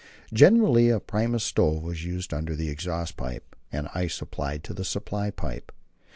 Generally a Primus stove was used under the exhaust pipe, and ice applied to the supply pipe.